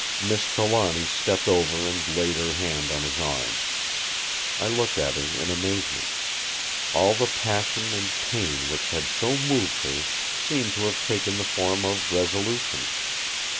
Miss Trelawny stepped over and laid her hand on his arm. I looked at her in amazement. All the passion and pain which had so moved her seemed to have taken the form of resolution.